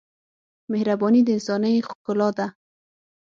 مهرباني د انسانۍ ښکلا ده.